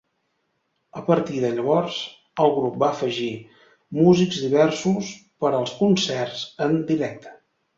A partir de llavors, el grup va afegir músics diversos per als concerts en directe.